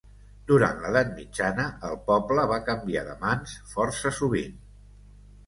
Durant l'edat mitjana, el poble va canviar de mans força sovint.